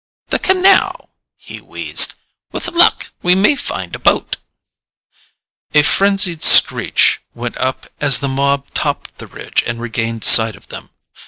"The canal," he wheezed. "With luck, we may find a boat." A frenzied screech went up as the mob topped the ridge and regained sight of them.